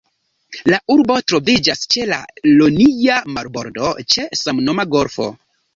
La urbo troviĝas ĉe la Ionia marbordo, ĉe samnoma golfo.